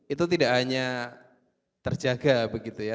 itu tidak hanya terjaga begitu ya